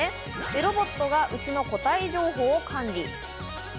で、ロボットが牛の個体情報を管理。